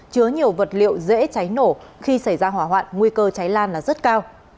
chứa nhiều vật liệu dễ cháy nổ khi xảy ra hỏa hoạn nguy cơ cháy lan là rất cao